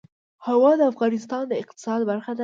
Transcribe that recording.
هوا د افغانستان د اقتصاد برخه ده.